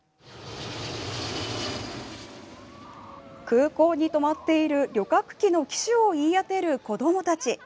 空港に止まっている旅客機の機種を言い当てる子どもたち。